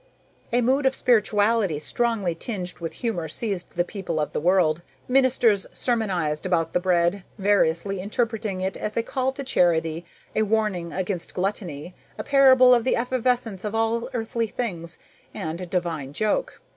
A mood of spirituality strongly tinged with humor seized the people of the world. Ministers sermonized about the bread, variously interpreting it as a call to charity, a warning against gluttony, a parable of the evanescence of all earthly things, and a divine joke.